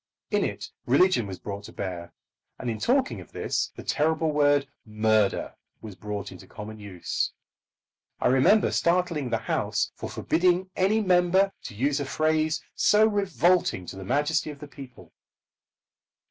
In it religion was brought to bear; and in talking of this the terrible word "murder" was brought into common use. I remember startling the House by forbidding any member to use a phrase so revolting to the majesty of the people.